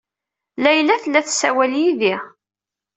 Layla tella tessawal yid-i.